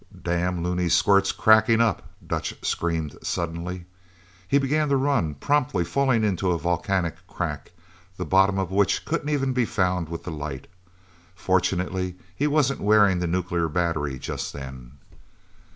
"Damn, loony squirt's crackin' up!" Dutch screamed suddenly. He began to run, promptly falling into a volcanic crack, the bottom of which couldn't even be found with the light. Fortunately he wasn't wearing the nuclear battery just then.